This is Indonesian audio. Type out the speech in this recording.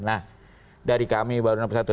nah dari kami baru enam puluh satu